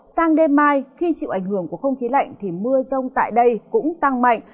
sang đêm mai khi chịu ảnh hưởng của không khí lạnh thì mưa rông tại đây cũng tăng mạnh